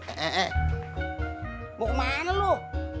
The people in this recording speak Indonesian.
eh eh eh lu kemana lu